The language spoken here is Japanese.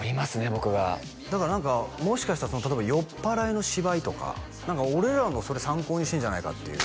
僕がだから何かもしかしたら例えば酔っぱらいの芝居とか俺らのを参考にしてんじゃないかっていう